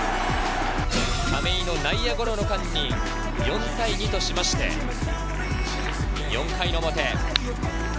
亀井の内野ゴロの間に４対２として、４回表。